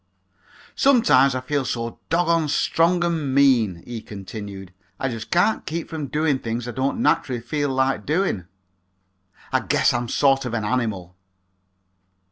"Sometimes I feel so doggon strong and mean," he continued, "I just can't keep from doing things I don't naturally feel like doing. I guess I'm sort of an animal."